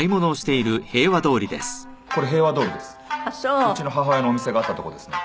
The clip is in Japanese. うちの母親のお店があった所ですね。